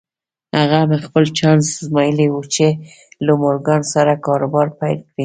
هغه هم خپل چانس ازمايلی و چې له مورګان سره کاروبار پيل کړي.